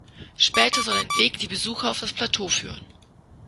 Später soll ein Weg die Besucher auf das Plateau führen.